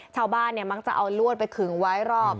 ชาวบ้านเนี่ยมักจะเอาลวดไปขึงไว้รอบ